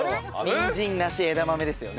にんじん梨枝豆ですよね。